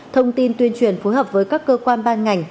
thông tin tuyên truyền phối hợp với các cơ quan ban ngành